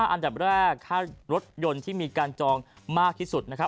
อันดับแรกค่ารถยนต์ที่มีการจองมากที่สุดนะครับ